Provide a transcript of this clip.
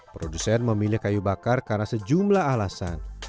produsen memilih kayu bakar karena sejumlah alasan